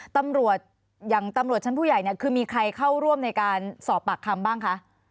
ตำรวจอย่างตำรวจชั้นผู้ใหญ่เนี่ยคือมีใครเข้าร่วมในการสอบปากคำบ้างคะ